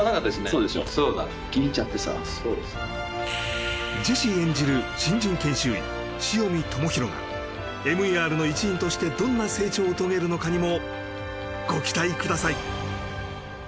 そうでしょ気に入っちゃってさジェシー演じる新人研修医潮見知広がＭＥＲの一員としてどんな成長を遂げるのかにもご期待ください